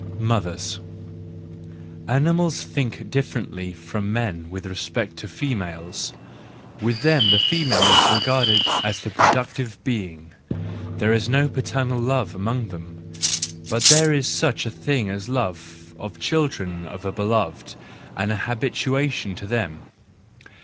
Mothers .—Animals think differently from men with respect to females; with them the female is regarded as the productive being. There is no paternal love among them, but there is such a thing as love of the children of a beloved, and habituation to them.